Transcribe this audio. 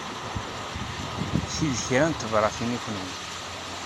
Ti d kra n tebṛatin i kenwi.